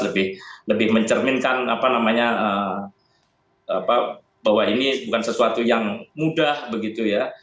lebih mencerminkan apa namanya bahwa ini bukan sesuatu yang mudah begitu ya